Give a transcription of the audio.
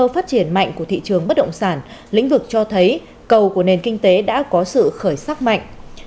phát triển mạnh của thị trường bất động sản lĩnh vực cho thấy cầu của nền kinh tế đã có sự khởi sắc mạnh